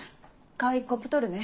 川合コップ取るね。